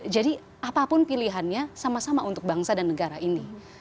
jadi apapun pilihannya sama sama untuk bangsa dan negara ini